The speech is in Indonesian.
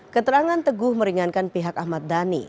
keterangan teguh meringankan pihak ahmad dhani